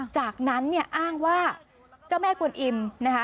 จากนั้นอ้างว่าเจ้าแม่กวนอิ่ม